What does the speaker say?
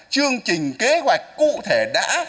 chương trình kế hoạch cụ thể đã